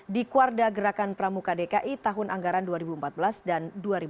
di kuarda gerakan pramuka dki tahun anggaran dua ribu empat belas dan dua ribu sembilan belas